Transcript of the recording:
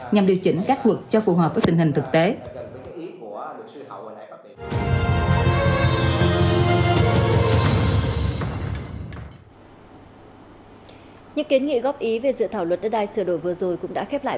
nhằm điều chỉnh các luật cho phù hợp với tình hình thực tế